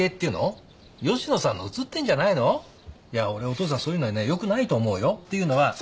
お父さんそういうのはねよくないと思うよ。っていうのは本来。